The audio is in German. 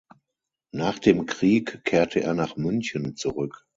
Nach dem Krieg kehrte er nach München zurück.